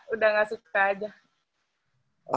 udah gak suka aja